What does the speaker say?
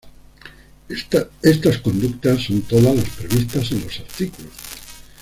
Estas conductas son todas las previstas en los arts.